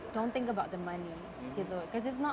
jangan berpikir tentang uang